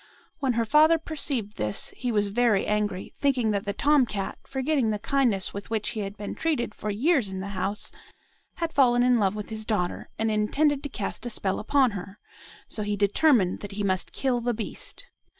When her father perceived this, he was very angry, thinking that the tom cat, forgetting the kindness with which he had been treated for years in the house, had fallen in love with his daughter, and intended to cast a spell upon her; so he determined that he must kill the beast.